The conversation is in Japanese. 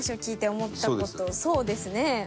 そうですね